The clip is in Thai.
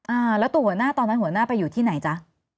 อ่าแล้วตัวหัวหน้าตอนนั้นหัวหน้าไปอยู่ที่ไหนจ๊ะ